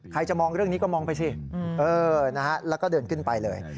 จะมองเรื่องนี้ก็มองไปสิแล้วก็เดินขึ้นไปเลย